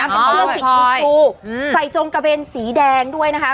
เป็นสิ่งที่คุ้มใส่จงกาเบนสีแดงด้วยนะคะ